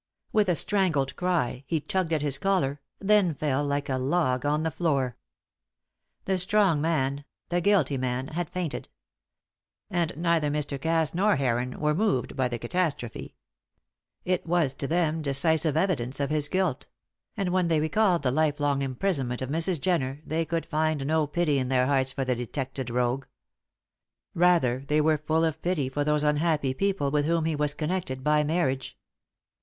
With a strangled cry he tugged at his collar, then fell like a log on the floor. The strong man, the guilty man, had fainted. And, neither Mr. Cass nor Heron were moved by the catastrophe. It was to them decisive evidence of his guilt; and when they recalled the lifelong imprisonment of Mrs. Jenner they could find no pity in their hearts for the detected rogue. Rather were they full of pity for those unhappy people with whom he was connected by marriage.